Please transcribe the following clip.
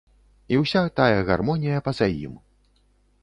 І ўся тая гармонія па-за ім.